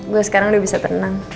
gue sekarang udah bisa tenang